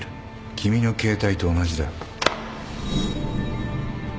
君の携帯と同じだ。